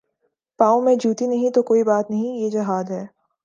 پاؤں میں جوتی نہیں تو کوئی بات نہیں یہ جہاد ہے۔